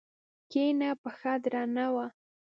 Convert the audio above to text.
کيڼه پښه درنه وه.